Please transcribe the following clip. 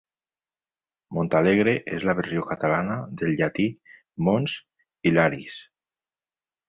Montalegre és la versió catalana del llatí Mons Hilaris.